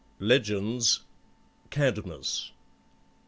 LEGENDS. CADMUS.